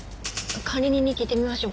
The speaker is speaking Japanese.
管理人に聞いてみましょうか？